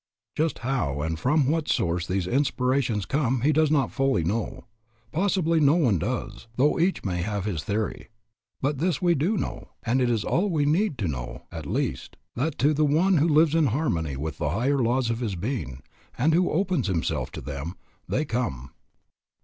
Just how and from what source these inspirations come he does not fully know. Possibly no one does, though each may have his theory. But this we do know, and it is all we need to know now, at least, that to the one who lives in harmony with the higher laws of his being, and who opens himself to them, they come.